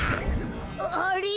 あれ？